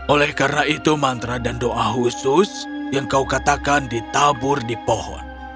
oleh karena itu mantra dan doa khusus yang kau katakan ditabur di pohon